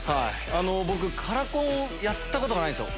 僕カラコンをやったことがないんですよ。